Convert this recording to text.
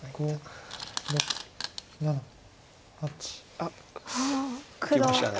あっいきましたね。